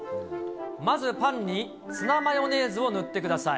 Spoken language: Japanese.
まずパンにツナマヨネーズを塗ってください。